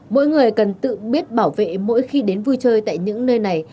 mỗi người cần tự biết bảo vệ mỗi khi đến vui chơi tại những nơi này